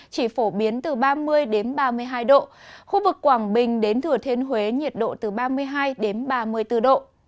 chỉ phổ biến từ ba mươi ba mươi hai độ khu vực quảng bình đến thừa thiên huế nhiệt độ từ ba mươi hai đến ba mươi bốn độ